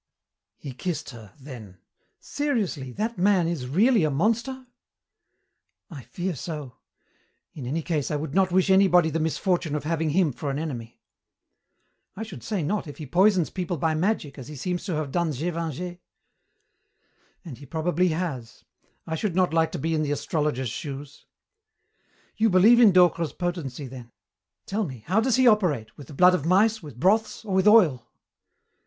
He kissed her, then, "Seriously, that man is really a monster?" "I fear so. In any case I would not wish anybody the misfortune of having him for an enemy." "I should say not, if he poisons people by magic, as he seems to have done Gévingey." "And he probably has. I should not like to be in the astrologer's shoes." "You believe in Docre's potency, then. Tell me, how does he operate, with the blood of mice, with broths, or with oil?"